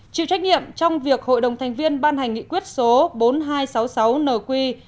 chịu trách nhiệm trong việc hội đồng thành viên ban hành nghị quyết số bốn nghìn hai trăm sáu mươi sáu nq